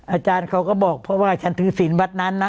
อาจารย์เขาก็บอกเพราะว่าฉันถือศิลป์วัดนั้นนะ